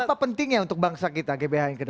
apa pentingnya untuk bangsa kita gbhn ke depan